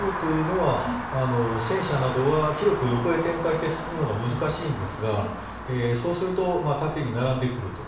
戦車などは広く横へ展開して進むのが難しいんですがそうすると、縦に並んでくると。